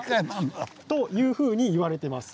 というふうに言われています。